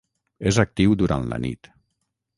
És actiu durant la nit.